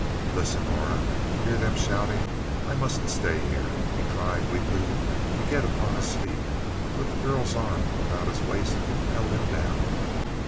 "Listen, Aura. Hear them shouting; I mustn't stay here." He tried, weakly, to get upon his feet, but the girl's arm about his waist held him down.